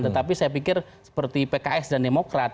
tetapi saya pikir seperti pks dan demokrat